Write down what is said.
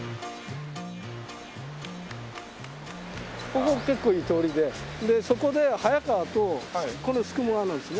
ここが結構いい通りでそこで早川とこれ須雲川なんですね。